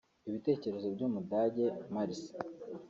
Ibitekerezo by’Umudage Marx